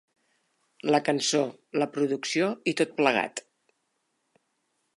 La cançó, la producció i tot plegat.